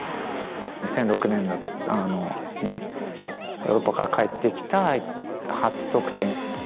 ２００６年にヨーロッパから帰ってきた初得点。